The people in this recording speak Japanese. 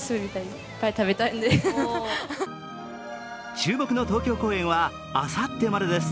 注目の東京公演はあさってまでです。